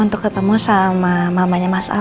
untuk ketemu sama mamanya mas awi